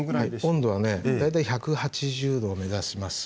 温度はね大体１８０℃を目指します。